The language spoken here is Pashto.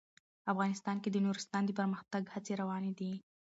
افغانستان کې د نورستان د پرمختګ هڅې روانې دي.